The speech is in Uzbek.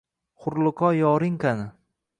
Hurliqo yoring qani?